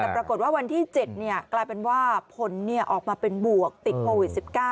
ปรากฏว่าวันที่๗เนี่ยกลายเป็นว่าผลเนี่ยออกมาเป็นบวกติดโควิด๑๙